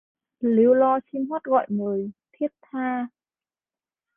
Líu lo chim hót gọi mời... thiết tha.